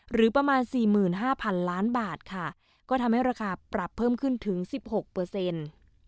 หรือประมาณ๔๕๐๐๐ล้านบาทค่ะก็ทำให้ราคาปรับเพิ่มขึ้นถึง๑๖เปอร์เซ็นต์